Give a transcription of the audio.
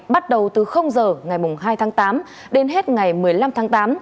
bắt đầu từ giờ ngày hai tháng tám đến hết ngày một mươi năm tháng tám